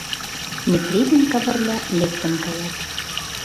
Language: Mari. Метри ден Кавырля лектын каят.